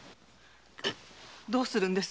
どうするんです？